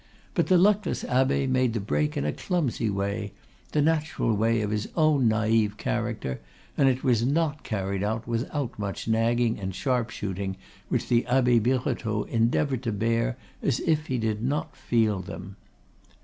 But the luckless abbe made the break in a clumsy way, the natural way of his own naive character, and it was not carried out without much nagging and sharp shooting, which the Abbe Birotteau endeavored to bear as if he did not feel them.